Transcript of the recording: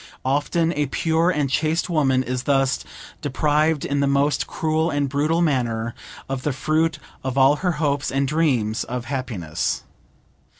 Often a pure and chaste woman is thus deprived in the most cruel and brutal manner of the fruit of all her hopes and dreams of happiness.